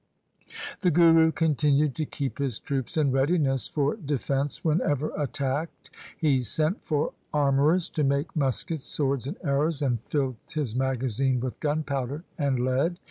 The Guru continued to keep his troops in readiness for defence whenever attacked. He sent for ar mourers to make muskets, swords, and arrows, and filled his magazine with gunpowder and lead.